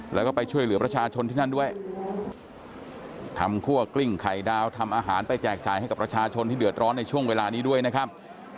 แล้วก็ไปช่วยเหลือประชาชนที่นั่นด้วยทำคั่วกลิ้งไข่ดาวทำอาหารไปแจกจ่ายให้กับประชาชนที่เดือดร้อนในช่วงเวลานี้ด้วยนะครับ